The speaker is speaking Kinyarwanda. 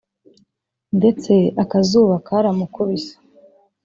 Ndetse akazuba karamukubise